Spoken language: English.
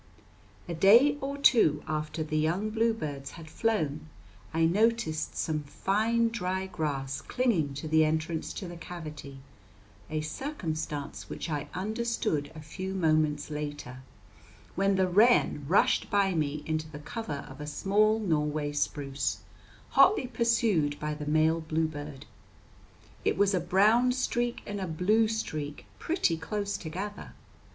A day or two after the young bluebirds had flown, I noticed some fine, dry grass clinging to the entrance to the cavity; a circumstance which I understood a few moments later, when the wren rushed by me into the cover of a small Norway spruce, hotly pursued by the male bluebird. It was a brown streak and a blue streak pretty close together.